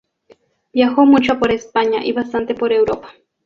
Viajó mucho por España y bastante por Europa.